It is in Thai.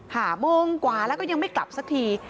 ห้าโมงกว่าแล้วก็ยังไม่กลับสักที